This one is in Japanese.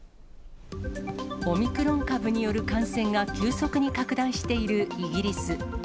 オミクロン株による感染が急速に拡大しているイギリス。